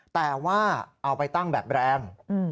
แต่ว่าเอาไปตั้งแบบแรง